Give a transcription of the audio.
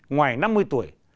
ngoài năm mươi tuổi